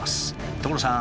所さん！